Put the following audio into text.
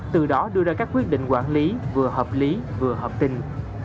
từ đó đưa ra các quyết định quản lý vừa hợp lý vừa hợp tình